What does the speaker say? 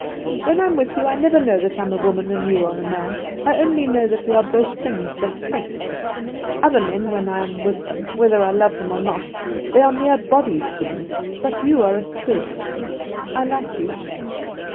"When I am with you I never know that I am a woman and you are a man; I only know that we are both things that think. Other men when I am with them, whether I love them or not, they are mere bodies to me; but you are a spirit; I like you.